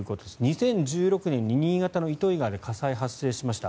２０１６年に新潟の糸魚川で火災が発生しました。